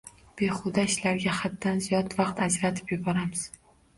Behuda ishlarga haddan ziyod vaqt ajratib yuboramiz.